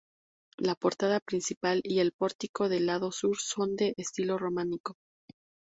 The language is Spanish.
La portada principal y el pórtico del lado sur son de estilo románico.